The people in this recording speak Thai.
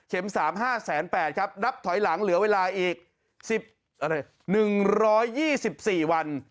๓๕๘๐๐ครับนับถอยหลังเหลือเวลาอีก๑๒๔วัน